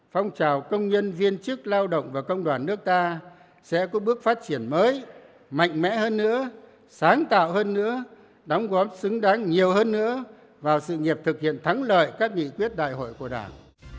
phong trào công nhân viên chức lao động và công đoàn nước ta sẽ có bước phát triển mới mạnh mẽ hơn nữa sáng tạo hơn nữa đóng góp xứng đáng nhiều hơn nữa vào sự nghiệp thực hiện thắng lợi các nghị quyết đại hội của đảng